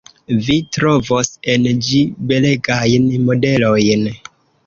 Vi trovos en ĝi belegajn modelojn.